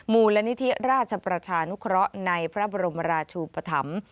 มูลนิเทียราชประชานุเคราะห์ในพระบรมราชูประถำ